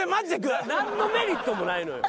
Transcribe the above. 何のメリットもないのよ。